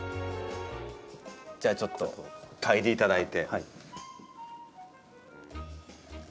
じゃあちょっと嗅いでいただいて。